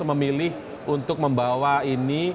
memilih untuk membawa ini